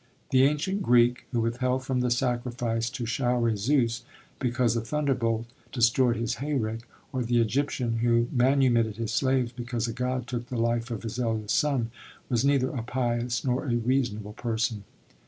The Ancient Greek who withheld from the sacrifice to Showery Zeus because a thunder bolt destroyed his hayrick, or the Egyptian who manumitted his slaves because a God took the life of his eldest son, was neither a pious, nor a reasonable person."